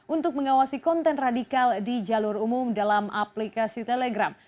untuk mengawasi konten radikal di jalur umum dalam aplikasi telegram